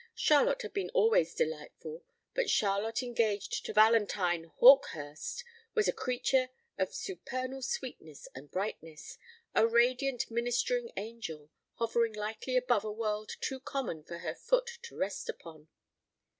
Charlotte had been always delightful, but Charlotte engaged to Valentine Hawkehurst was a creature of supernal sweetness and brightness a radiant ministering angel, hovering lightly above a world too common for her foot to rest upon.